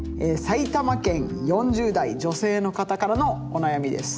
埼玉県４０代女性の方からのお悩みです。